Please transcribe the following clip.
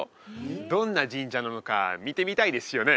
どんな神社なのか見てみたいですよね？